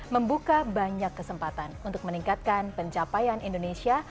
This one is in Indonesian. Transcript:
membuka banyak kesempatan untuk meningkatkan pencapaian indonesia